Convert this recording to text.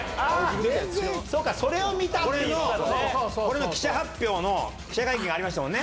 これの記者発表の記者会見ありましたもんね。